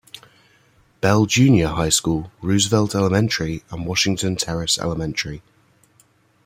Bell Junior High School, Roosevelt Elementary, and Washington Terrace Elementary.